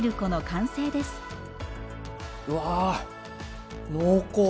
うわ濃厚！